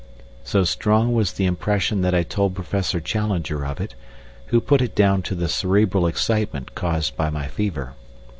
So strong was the impression that I told Professor Challenger of it, who put it down to the cerebral excitement caused by my fever.